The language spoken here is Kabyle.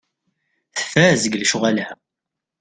Tfaz deg lecɣal-a.